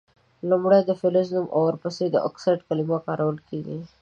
لومړۍ د فلز نوم او ور پسي د اکسایډ کلمه کارول کیږي.